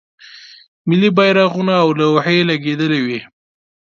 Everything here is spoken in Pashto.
ملی بیرغونه او لوحې لګیدلې وې.